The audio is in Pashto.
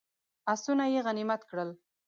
آسونه یې غنیمت کړل.